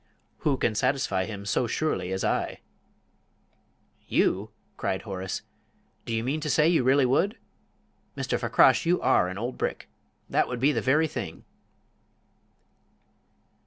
"Who can satisfy him so surely as I?" "You!" cried Horace. "Do you mean to say you really would? Mr. Fakrash, you are an old brick! That would be the very thing!"